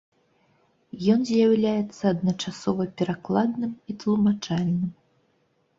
Ён з'яўляецца адначасова перакладным і тлумачальным.